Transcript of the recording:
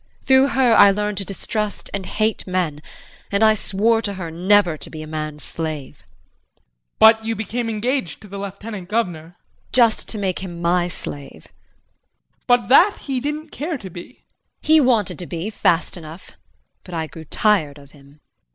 Through her I learned to distrust and hate men, and I swore to her never to be a man's slave. JEAN. But you became engaged to the Lieutenant Governor. JULIE. Just to make him my slave. JEAN. But that he didn't care to be. JULIE. He wanted to be, fast enough, but I grew tired of him.